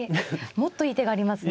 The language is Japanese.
もっといい手がありますね。